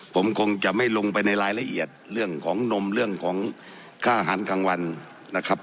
ผมคงจะไม่ลงไปในรายละเอียดเรื่องของนมเรื่องของค่าอาหารกลางวันนะครับ